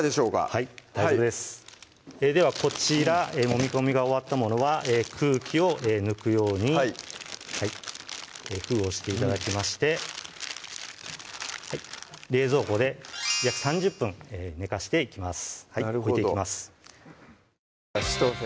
はい大丈夫ですではこちらもみ込みが終わったものは空気を抜くように封をして頂きまして冷蔵庫で約３０分寝かしていきます